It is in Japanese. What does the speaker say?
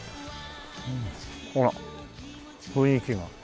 ほら雰囲気が。